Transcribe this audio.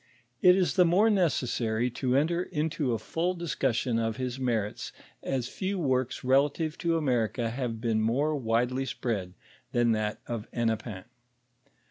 It is the more necessary to enter into a full discussion of his merits as few works relative to America have been more widely spread than that of Hennepin.